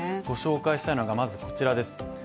ご紹介したいのが、まずこちらです。